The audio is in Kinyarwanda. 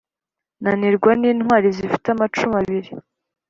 nanirwa n’intwali zifite amacumu abili.